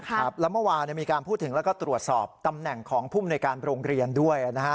แล้วเมื่อวานมีการพูดถึงแล้วก็ตรวจสอบตำแหน่งของภูมิในการโรงเรียนด้วยนะฮะ